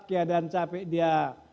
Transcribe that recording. keadaan capek dia